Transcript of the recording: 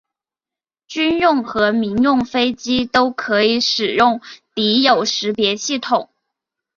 军用和民用飞机都可以使用敌友识别系统。